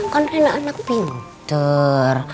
kan rena anak pintar